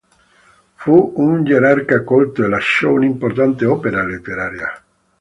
Fu un gerarca colto e lasciò un'importante opera letteraria.